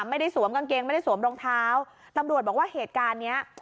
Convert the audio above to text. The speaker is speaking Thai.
สวมกางเกงไม่ได้สวมรองเท้าตำรวจบอกว่าเหตุการณ์เนี้ย